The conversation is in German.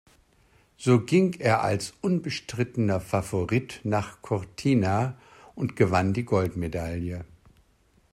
So ging er als unbestrittener Favorit nach Cortina und gewann die Goldmedaille.